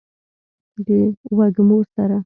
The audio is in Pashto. د وږمو سره